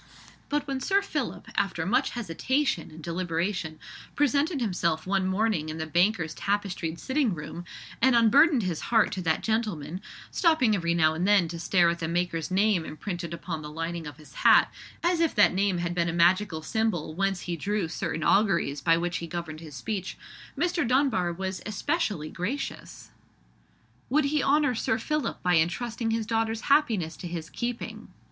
But when Sir Philip, after much hesitation and deliberation, presented himself one morning in the banker's tapestried sitting room, and unburdened his heart to that gentleman—stopping every now and then to stare at the maker's name imprinted upon the lining of his hat, as if that name had been a magical symbol whence he drew certain auguries by which he governed his speech—Mr. Dunbar was especially gracious. "Would he honour Sir Philip by entrusting his daughter's happiness to his keeping?